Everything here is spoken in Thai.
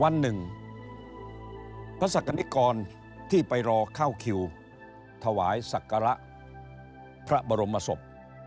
วันหนึ่งพระศักดิกรที่ไปรอเข้าคิวถวายศักระพระบรมศพ